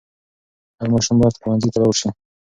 هر ماشوم باید ښوونځي ته ولاړ سي.